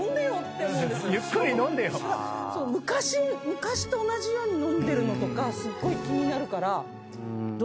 昔と同じように飲んでるのとかすっごい気になるから。